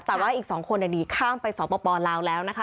แต่ว่าอีก๒คนหนีข้ามไปสปลาวแล้วนะคะ